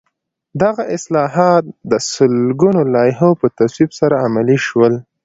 دغه اصلاحات د سلګونو لایحو په تصویب سره عملي شول.